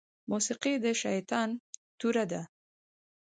موسيقي د شيطان توره ده